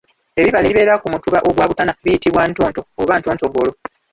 "Ebibala ebibeera ku mutuba ogwa butana, biyitibwa ntonto oba ntontogolo."